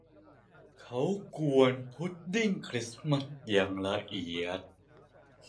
เขากวนพุดดิ้งคริสต์มาสอย่างละเอียด